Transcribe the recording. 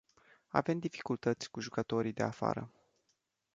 Avem dificultăți cu jucătorii de afară.